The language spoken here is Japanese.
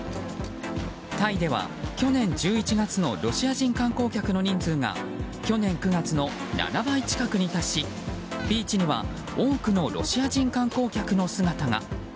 タイでは、去年１１月のロシア人観光客の人数が去年９月の７倍近くに達しビーチには多くのロシア人観光客の姿が。